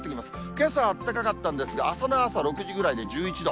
けさあったかかったんですが、あすの朝６時ぐらいで１１度。